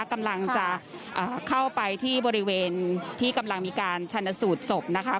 กำลังจะเข้าไปที่บริเวณที่กำลังมีการชันสูตรศพนะคะ